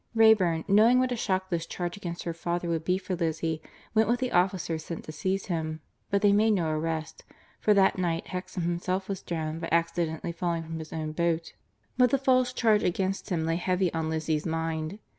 Wrayburn, knowing what a shock this charge against her father would be for Lizzie, went with the officers sent to seize him. But they made no arrest, for that night Hexam himself was drowned by accidentally falling from his own boat. But the false charge against him lay heavy on Lizzie's mind.